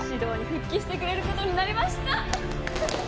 復帰してくれる事になりました！